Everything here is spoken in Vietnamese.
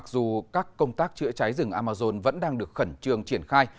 dù các công tác chữa cháy rừng amazon vẫn đang được khẩn trương triển khai